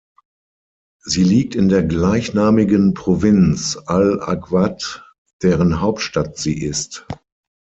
Sie liegt in der gleichnamigen Provinz al-Aġwāṭ, deren Hauptstadt sie ist.